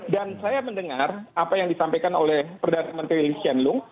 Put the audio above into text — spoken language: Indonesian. dan saya mendengar apa yang disampaikan oleh perdana menteri lee hsien loong